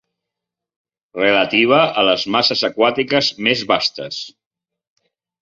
Relativa a les masses aquàtiques més vastes.